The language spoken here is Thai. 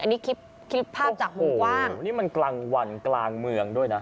อันนี้คลิปคลิปภาพจากวงกว้างโอ้โหนี่มันกลางวันกลางเมืองด้วยนะ